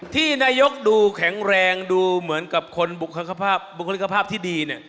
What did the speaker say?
ที่นายกดูแข็งแรงดูเหมือนกับคนบุคลิกภาพที่ดีเนี่ย